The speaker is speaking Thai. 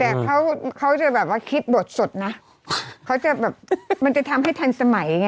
แต่เค้าจะคิดโบสถนะเค้าจะแบบมันจะทำให้ทันสมัยไง